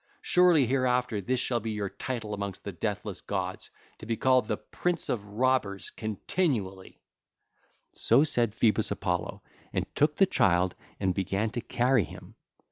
Surely hereafter this shall be your title amongst the deathless gods, to be called the prince of robbers continually.' (ll. 293 300) So said Phoebus Apollo, and took the child and began to carry him.